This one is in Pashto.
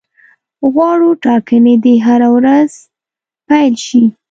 غواړو ټاکنې دي هره ورځ پیل شي.